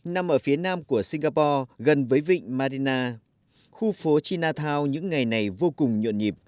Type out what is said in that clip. năm ở phía nam của singapore gần với vịnh marina khu phố chinatown những ngày này vô cùng nhuận nhịp